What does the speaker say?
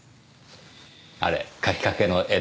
あれ描きかけの絵ですね。